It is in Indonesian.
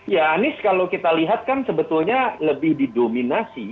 ya anies kalau kita lihat kan sebetulnya lebih didominasi